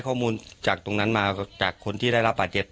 ข้อมูลจากตรงนั้นมาจากคนที่ได้รับบาดเจ็บ